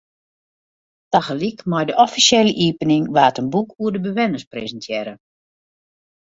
Tagelyk mei de offisjele iepening waard in boek oer de bewenners presintearre.